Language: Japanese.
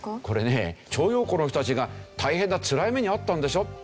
これね徴用工の人たちが大変なつらい目に遭ったんでしょ？